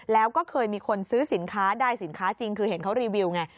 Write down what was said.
แล้วก็เคยมีคนซื้อสินค้าได้สินค้าจริงคือเห็นเขารีวิวไง